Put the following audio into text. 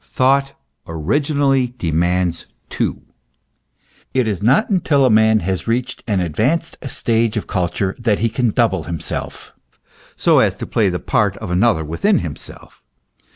Thought originally demands two. It is not until man has reached an advanced stage of culture that he can double himself, so as to play the part of another within himself.